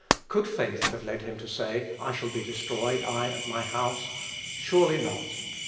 Could faith have led him to say, "I shall be destroyed, I and my house?" Surely not.